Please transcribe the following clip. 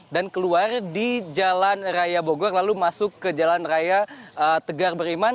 dan keluar di jalan raya bogor lalu masuk ke jalan raya tegar beriman